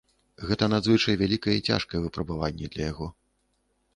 Гэта надзвычай вялікае і цяжкое выпрабаванне для яго.